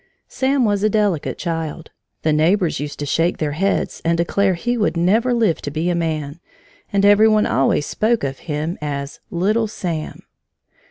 Sam was a delicate child. The neighbors used to shake their heads and declare he would never live to be a man, and every one always spoke of him as "little Sam."